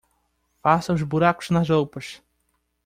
Faça os buracos nas roupas